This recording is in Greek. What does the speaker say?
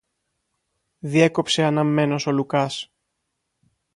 διέκοψε αναμμένος ο Λουκάς